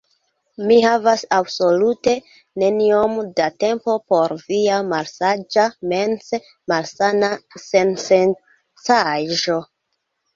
Mi havas absolute neniom da tempo por via malsaĝa, mense malsana sensencaĵo.